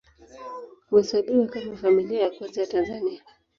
Huhesabiwa kama Familia ya Kwanza ya Tanzania.